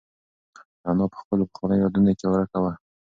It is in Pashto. انا په خپلو پخوانیو یادونو کې ورکه وه.